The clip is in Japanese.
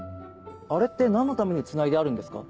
あれって何のためにつないであるんですか？